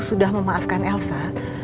sudah memaafkan elsa